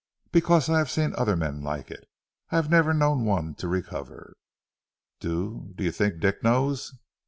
"Because I have seen other men like it. I have never known one to recover." "Do ... do you think Dick knows?"